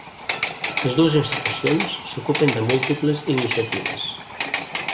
Les dues institucions s'ocupen de múltiples iniciatives.